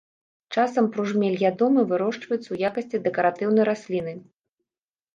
Часам бружмель ядомы вырошчваюць у якасці дэкаратыўнай расліны.